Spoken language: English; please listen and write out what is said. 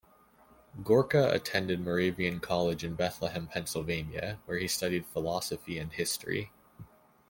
Gorka attended Moravian College in Bethlehem, Pennsylvania, where he studied philosophy and history.